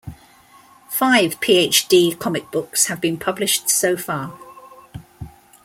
Five PhD comic books have been published so far.